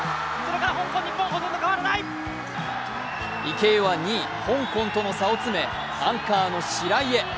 池江は２位・香港との差を詰めアンカーの白井へ。